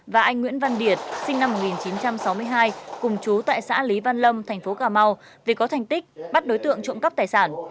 và anh nguyễn văn liệt sinh năm một nghìn chín trăm sáu mươi hai cùng chú tại xã lý văn lâm thành phố cà mau vì có thành tích bắt đối tượng trộm cắp tài sản